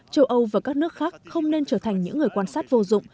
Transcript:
châu âu và các nước khác không nên trở thành những người quan sát vô dụng